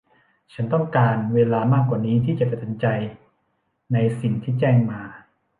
ฉันต้องการเวลามากกว่านี้ที่จะตัดสินใจในสิ่งที่แจ้งมา